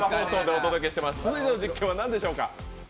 続いての実験は何でしょうか？